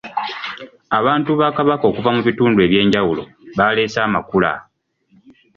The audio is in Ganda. Abantu ba Kabaka okuva mu bitundu eby'enjawulo baleese amakula .